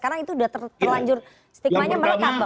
karena itu sudah terlanjur stigmanya mereka bang